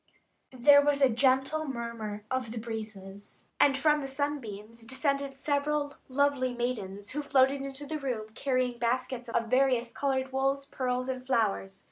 There was a gentle murmur of the breezes, and from the sunbeams descended seven lovely maidens, who floated into the room, carrying baskets of various coloured wools, pearls, and flowers.